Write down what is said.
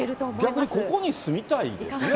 逆にここに住みたいですね。